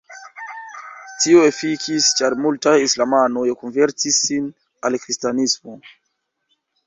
Tio "efikis" ĉar multaj islamanoj konvertis sin al kristanismo.